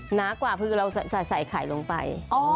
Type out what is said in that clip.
หนากว่าคือเราใส่ไข่ลงไป